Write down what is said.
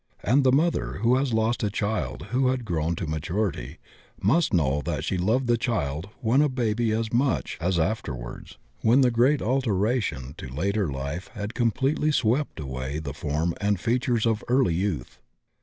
And the mother who has lost a child who had grown to maturity must know that she loved the child when a baby as much as after wards when the great alteration to later life had com pletely swept away the form and features of early youth.